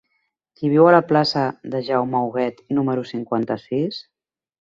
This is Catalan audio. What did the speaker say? Qui viu a la plaça de Jaume Huguet número cinquanta-sis?